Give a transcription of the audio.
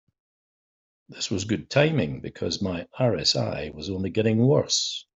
This was good timing, because my RSI was only getting worse.